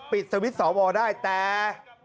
ปิดสวิทย์สองวอล์ได้แต่